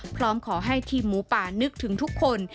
พร้อมขอให้ทีมหมูป่านึกถึงทุกคน